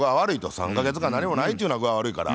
３か月間何もないっちゅうのは具合悪いから。